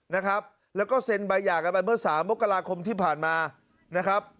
นะครับแล้วก็เซ็นใบหย่ากันไปเมื่อสามมกราคมที่ผ่านมานะครับ